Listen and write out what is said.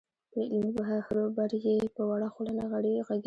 پر علمي بحروبر یې په وړه خوله نه غږېږې.